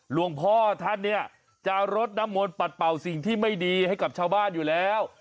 หลวงพ่อท่านเนี่ยจะรดน้ำมนต์ปัดเป่าสิ่งที่ไม่ดีให้กับชาวบ้านอยู่แล้ว